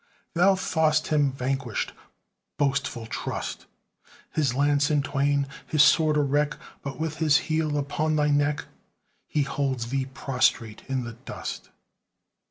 Thou thought'st him vanquished boastful trust! His lance, in twain his sword, a wreck, But with his heel upon thy neck, He holds thee prostrate in the dust!